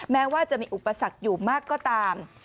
แม้ว่าจะมีอุปสรรคอยู่มากก็ตาม